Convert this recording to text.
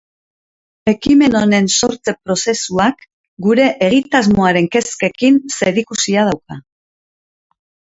Ekimen honen sortze prozesuak gure egitasmoaren kezkekin zerikusia dauka.